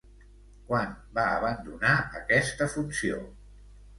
Quan va abandonar aquesta funció?